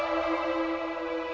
lo sudah nunggu